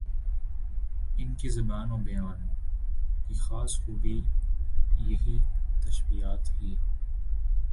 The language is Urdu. ان کی زبان و بیان کی خاص خوبی یہی تشبیہات ہی